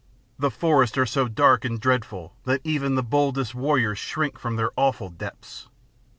The forests are so dark and dreadful that even the boldest warriors shrink from their awful depths.